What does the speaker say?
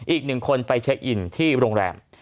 อีกหนึ่งคนไปเช็คอินที่โรงแรม